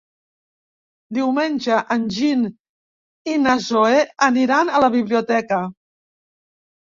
Diumenge en Gil i na Zoè aniran a la biblioteca.